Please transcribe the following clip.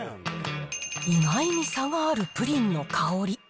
意外に差があるプリンの香り。